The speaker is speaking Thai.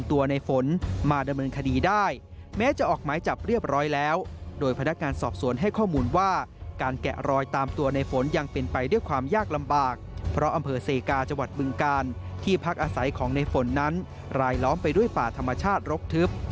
ตามตัวในฝนยังเป็นไปด้วยความยากลำบากเพราะอำเภอเซกาจบึงกาลที่พักอาศัยของในฝนนั้นรายล้อมไปด้วยป่าธรรมชาติรกทึบ